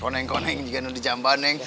koneng koneng jangan di jamban neng